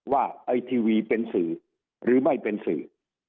ว่าไอทีวีเป็นสื่อหรือไม่เป็นสื่อ